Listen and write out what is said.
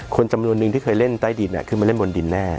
คนจำนวนนึงที่เคยเล่นใต้ดินขึ้นมาเล่นบนดินแน่